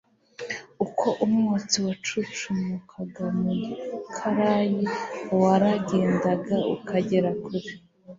uko umwotsi wacucumukaga mu gikarayi waragendaga ukagera kure